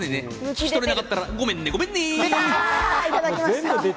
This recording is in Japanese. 聞き取れなかったら、ごめんね、ごめんね！